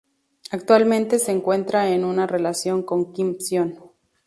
Actualmente se encuentra en una relación con Kim Sion.